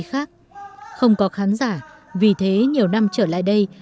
không có khán giả vì thế nhiều năm trở lại đây